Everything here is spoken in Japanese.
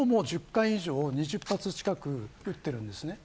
今年も１０回以上、２０発近くを撃っているんです。